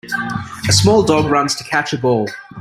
A small dog runs to catch a ball.